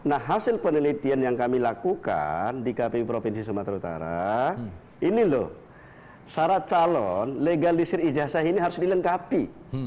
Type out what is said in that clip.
nah hasil penelitian yang kami lakukan di kpu provinsi sumatera utara ini loh syarat calon legalisir ijazah ini harus dilengkapi